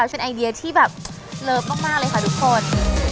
เป็นไอเดียที่แบบเลิฟมากเลยค่ะทุกคน